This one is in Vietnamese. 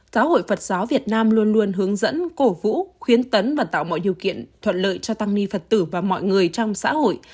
giáo hội phật giáo việt nam luôn luôn hướng dẫn cổ vũ khuyến tấn và tạo mọi điều kiện thuận lợi cho tăng ni phật tử và mọi người trong xã hội